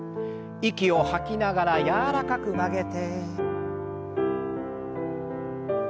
息を吐きながら柔らかく曲げて。